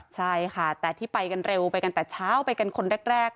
ใช่ค่ะแต่ที่ไปกันเร็วไปกันแต่เช้าไปกันคนแรก